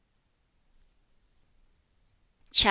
CHAP.